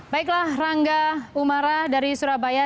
baiklah rangga umara dari surabaya